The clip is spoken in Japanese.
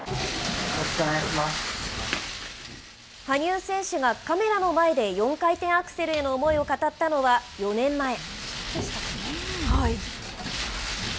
羽生選手がカメラの前で、４回転アクセルへの思いを語ったのは４年前。